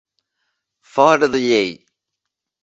Fora de llei.